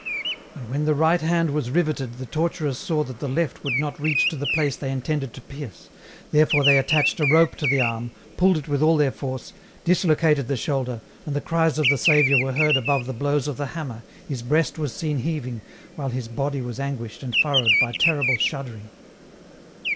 And when the right hand was riveted the torturers saw that the left would not reach to the place they intended to pierce, therefore they attached a rope to the arm, pulled it with all their force, dislocated the shoulder, and the cries of the Saviour were heard above the blows of the hammer, His breast was seen heaving, while His body was anguished and furrowed by terrible shuddering.